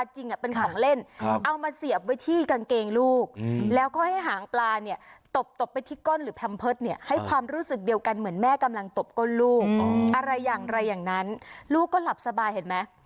แต่ก็เชื่อว่าหลายบ้านก็คงมีเคล็ดลับต่างกันไปแหละ